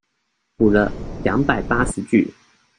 補了兩百八十句